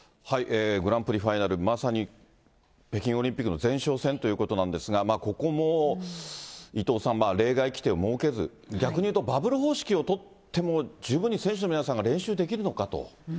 グランプリファイナル、まさに北京オリンピックの前哨戦ということなんですが、ここも伊藤さん、例外規定を設けず、逆にいうとバブル方式を取っても、十分に選手の皆さんが練習できるのかと。